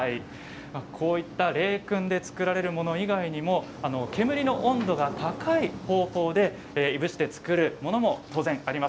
冷くんで作られるもの以外にも煙の温度が高い用法でいぶして作るものもあります。